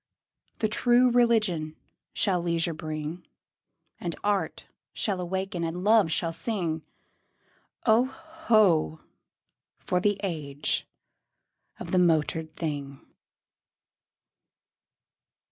The True Religion shall leisure bring; And Art shall awaken and Love shall sing: Oh, ho! for the age of the motored thing!